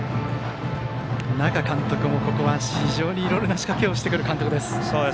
那賀監督もここは非常にいろいろな仕掛けをしてくる監督です。